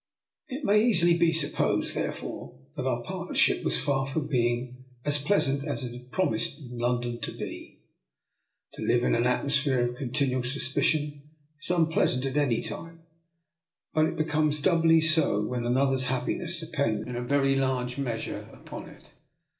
It may easily be supposed, therefore, that our partnership was far from being as pleasant as it had promised in London to be. To live in an atmosphere of continual suspicion is unpleasant at any time, but it becomes doubly so when an other's happiness depends in a very large measure upon it.